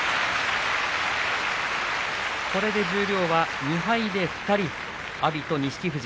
これで十両は２敗で２人阿炎と錦富士。